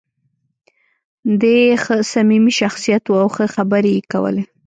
دی ښه صمیمي شخصیت و او ښه خبرې یې کولې.